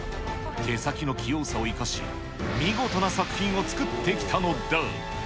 手先の器用さを生かし、見事な作品を作ってきたのだ。